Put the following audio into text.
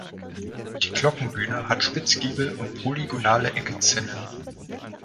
Die Glockenbühne hat Spitzgiebel und polygonale Eckzinnen.